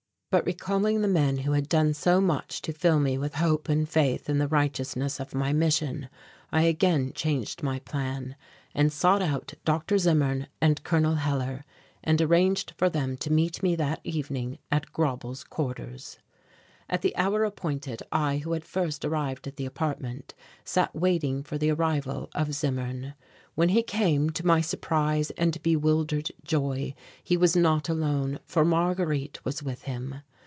But recalling the men who had done so much to fill me with hope and faith in the righteousness of my mission, I again changed my plan and sought out Dr. Zimmern and Col. Hellar and arranged for them to meet me that evening at Grauble's quarters. At the hour appointed I, who had first arrived at the apartment, sat waiting for the arrival of Zimmern. When he came, to my surprise and bewildered joy he was not alone, for Marguerite was with him.